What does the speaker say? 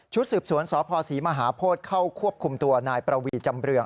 สืบสวนสพศรีมหาโพธิเข้าควบคุมตัวนายประวีจำเรือง